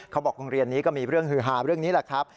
โรงเรียนนี้ก็มีเรื่องฮือฮาเรื่องนี้แหละครับ